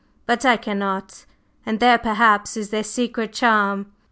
But I cannot, and there, perhaps, is their secret charm.